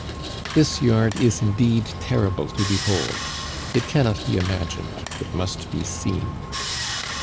This yard is indeed terrible to behold; it cannot be imagined, it must be seen.